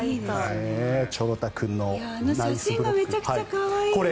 あの写真がめちゃくちゃ可愛い。